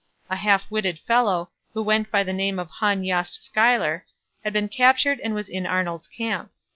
A half witted fellow, who went by the name of Hon Yost Schuyler, had been captured and was in Arnold's camp.